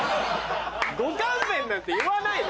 「ご勘弁」なんて言わないの。